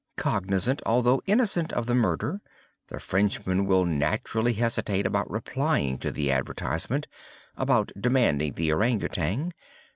Cognizant although innocent of the murder, the Frenchman will naturally hesitate about replying to the advertisement—about demanding the Ourang Outang.